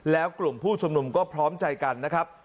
แล้วกลุ่มผู้ชุมนุมก็พร้อมใจกันนะครับ